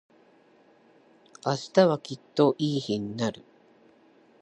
明日はきっといい日になる。